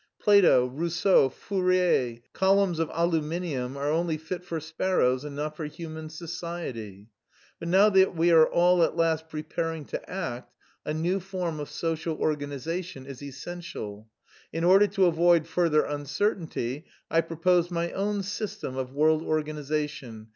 Plato, Rousseau, Fourier, columns of aluminium, are only fit for sparrows and not for human society. But, now that we are all at last preparing to act, a new form of social organisation is essential. In order to avoid further uncertainty, I propose my own system of world organisation.